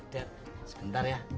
dad sebentar ya